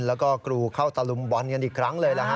แล้วก็กรูเข้าตะลุมบอลกันอีกครั้งเลยนะฮะ